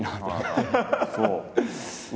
そう。